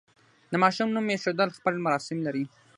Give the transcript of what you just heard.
د ماشوم نوم ایښودل خپل مراسم لري.